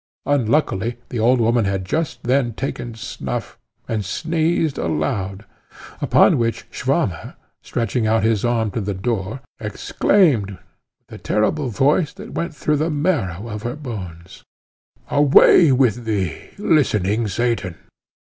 Unluckily the old woman had just then taken snuff, and sneezed aloud; upon which Swammer, stretching out his arm to the door, exclaimed with a terrible voice, that went through the marrow of her bones, "Away with thee, listening Satan!"